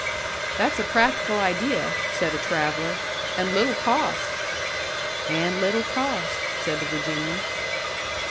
"That's a practical idea," said a traveller. "And little cost." "And little cost," said the Virginian.